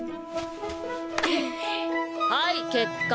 はい結果。